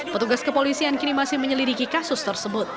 petugas kepolisian kini masih menyelidiki kasus tersebut